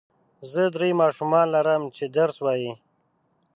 زه درې ماشومان لرم چې درس وايي.